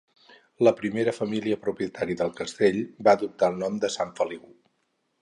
La primera família propietària del castell va adoptar el nom Sant Feliu.